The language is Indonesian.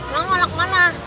nama lu kemana